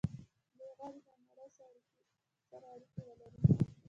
دوی غواړي له نړۍ سره اړیکه ولري.